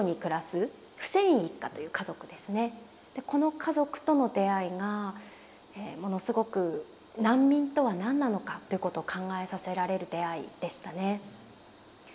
この家族との出会いがものすごく難民とは何なのかということを考えさせられる出会いでしたね。